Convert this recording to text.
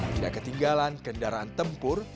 tidak ketinggalan kendaraan tempur